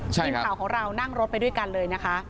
ทีมข่าวของเรานั่งรถไปด้วยกันเลยนะคะ